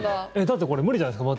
だって、これ無理じゃないですか。